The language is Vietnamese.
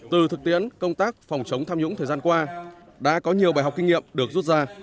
từ thực tiễn công tác phòng chống tham nhũng thời gian qua đã có nhiều bài học kinh nghiệm được rút ra